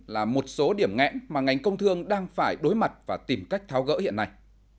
là một số điểm nghẽn mà ngành công thương đang phải đối mặt và tìm cách tháo gỡ hiện nay